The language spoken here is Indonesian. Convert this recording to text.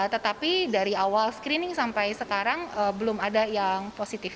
tetapi dari awal screening sampai sekarang belum ada yang positif